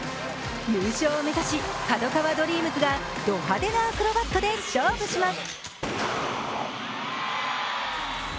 優勝を目指しＫＡＤＯＫＡＷＡＤＲＥＡＭＳがド派手なアクロバットで勝負します。